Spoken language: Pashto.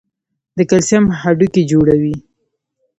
د کلسیم هډوکي جوړوي.